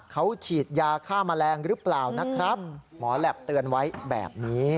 เขาฉีดยาฆ่าแมลงหรือเปล่านะครับหมอแหลปเตือนไว้แบบนี้